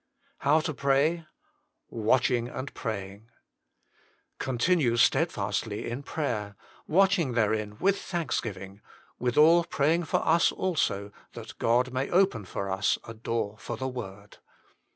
HOW TO PRAY. ISairhtttjEj an& Continue steadfastly in prayer, watching therein with thanksgiving ; withal praying for us also, that God may open for us a door for the word."